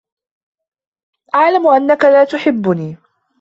أعلم أنك لا تحبني.